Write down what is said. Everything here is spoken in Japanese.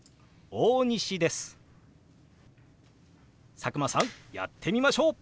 佐久間さんやってみましょう！